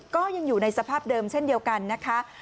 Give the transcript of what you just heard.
ก็ยังอยู่ในสภาพเดิมเช่นเดียวกันนะคะ